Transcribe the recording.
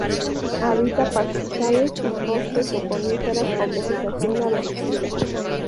Habita pastizales y bosques de coníferas con vegetación arbustiva.